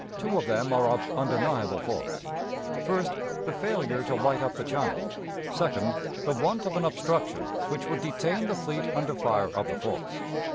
Two of them are of undeniable force: First, the failure to light up the channel; second, the want of an obstruction which would detain the fleet under fire of the forts.